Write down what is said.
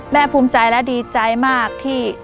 ภูมิใจและดีใจมากที่